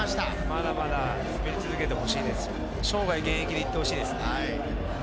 まだまだ滑り続けて欲しいですし、生涯現役でいて欲しいです。